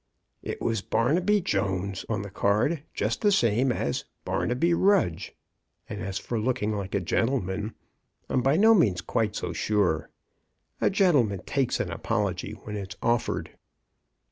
"It was Barnaby Jones on the card — just the same as ' Barnaby Rudge '; and as for look ing like a gentleman, I'm by no means quite so sure. A gentleman takes an apology when it's offered."